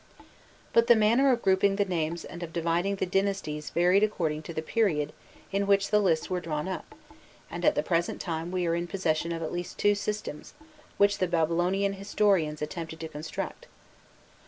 But the manner of grouping the names and of dividing the dynasties varied according to the period in which the lists were drawn up, and at the present time we are in possession of at least two systems which the Babylonian historians attempted to construct.